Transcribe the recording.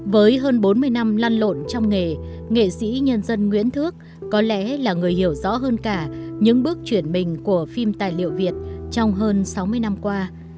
với hơn bốn mươi năm lan lộn trong nghề nghệ sĩ nhân dân nguyễn thước có lẽ là người hiểu rõ hơn cả những bước chuyển mình của phim tài liệu việt trong hơn sáu mươi năm qua